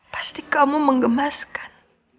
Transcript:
pasti kamu mengemaskan